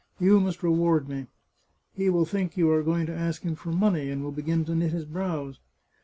You must reward me.' He will think you are going to ask him for money, and will begin to knit his brows.